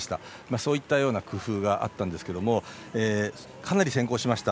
そういったような工夫があったんですけれどもかなり先行しました。